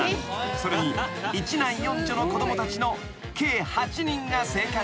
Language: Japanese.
［それに１男４女の子供たちの計８人が生活］